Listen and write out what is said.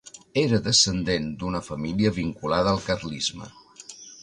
Era descendent d'una família vinculada al carlisme.